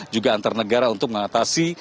juga antar negara untuk mengatasi